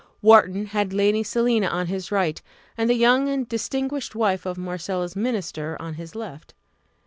Wharton had Lady Selina on his right, and the young and distinguished wife of Marcella's minister on his left.